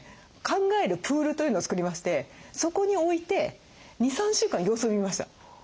考えるプールというのを作りましてそこに置いて２３週間様子を見ました。